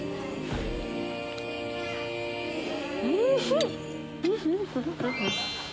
うん！